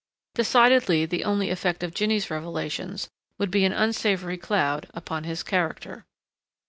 Decidedly the only effect of Jinny's revelations would be an unsavory cloud upon his character.